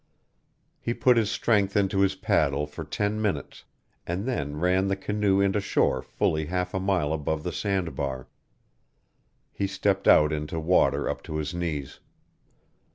He put his strength into his paddle for ten minutes, and then ran the canoe into shore fully half a mile above the sand bar. He stepped out into water up to his knees.